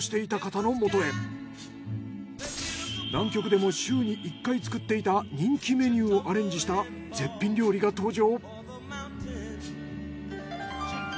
南極でも週に１回作っていた人気メニューをアレンジした絶品料理が登場。